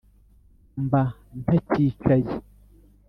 mba ntakicaye